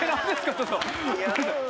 ちょっと。